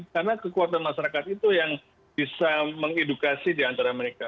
karena kekuatan masyarakat itu yang bisa mengedukasi di antara mereka